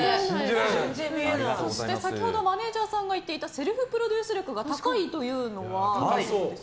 先ほどマネジャーさんが言っていたセルフプロデュース力が高いというのは。